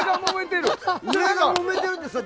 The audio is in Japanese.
上がもめてるんですって。